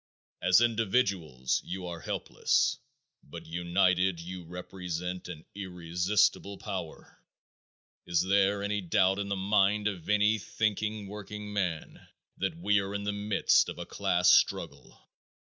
As individuals you are helpless, but united you represent an irresistible power. Is there any doubt in the mind of any thinking workingman that we are in the midst of a class struggle?